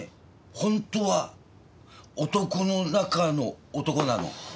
ほんとは男の中の男なの。